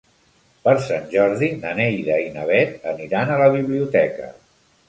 Per Sant Jordi na Neida i na Bet aniran a la biblioteca.